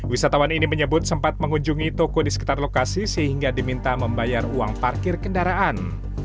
wisatawan ini menyebut sempat mengunjungi toko di sekitar lokasi sehingga diminta membayar uang parkir kendaraan